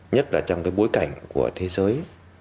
nhất là trong bối cảnh của thế giới